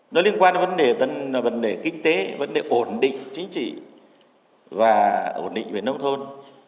nó liên quan đến vấn đề vấn đề kinh tế vấn đề ổn định chính trị và ổn định về nông thôn